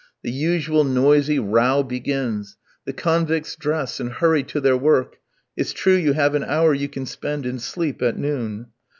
The usual noisy row begins. The convicts dress, and hurry to their work. It's true you have an hour you can spend in sleep at noon.